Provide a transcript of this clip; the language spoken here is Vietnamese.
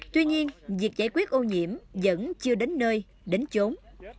tuy nhiên việc giải quyết ô nhiễm vẫn chưa đến nơi đến trốn